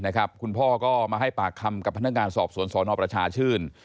หายนะครับคุณพ่อก็มาให้ปากคำกับพนักงานสอบสวนสอนอบประชาชื่น